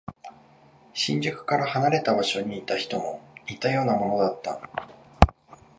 新宿から離れた場所にいた人も似たようなものだった。